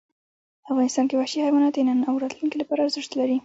افغانستان کې وحشي حیوانات د نن او راتلونکي لپاره ارزښت لري.